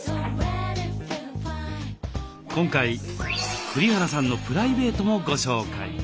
今回栗原さんのプライベートもご紹介。